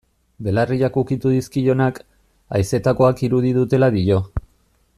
Belarriak ukitu dizkionak, haizetakoak irudi dutela dio.